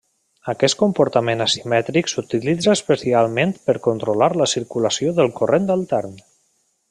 Aquest comportament asimètric s'utilitza especialment per controlar la circulació del corrent altern.